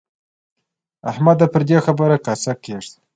احمده! پر دې خبره کاسه کېږده.